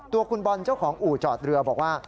ตัวคุณบอลเจ้าของอู่จอดเรือบอกว่า